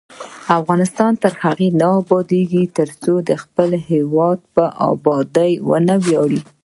افغانستان تر هغو نه ابادیږي، ترڅو د خپل هیواد په ابادۍ ونه ویاړو.